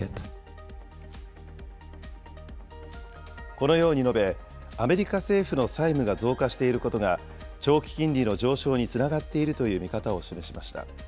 このように述べ、アメリカ政府の債務が増加していることが長期金利の上昇につながっているという見方を示しました。